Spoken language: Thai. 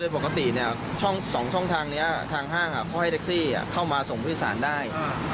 โดยปกติช่อง๒ช่องทางนี้ทางห้างเขาให้แท็กซี่เข้ามาส่งผู้โดยสารได้